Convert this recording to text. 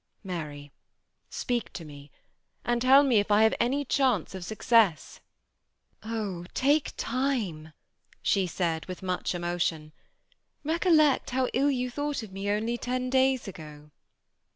Mary, speak to me, and tell me if I have any chance of success." 318 THE SEMI ATTACHED COUPLE. " Oh ! take time/' she said, with much emotion ;^ rec ollect how ill jou thought of me only ten days ago."